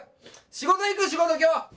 仕事行く仕事今日！